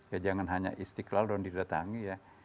ya jangan hanya istiqlal dong didatangi ya